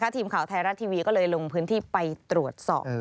ทีมข่าวไทยรัฐทีวีก็เลยลงพื้นที่ไปตรวจสอบ